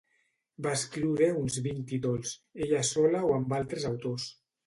Va escriure uns vint títols, ella sola o amb altres autors.